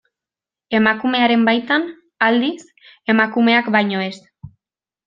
Emakumeren baitan, aldiz, emakumeak baino ez.